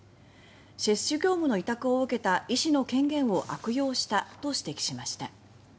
「接種業務の委託を受けた医師の権限を悪用した」と指摘しました。